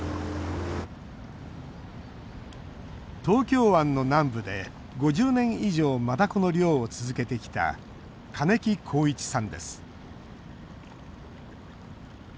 東京湾の南部で５０年以上マダコの漁を続けてきた金木幸市さんです。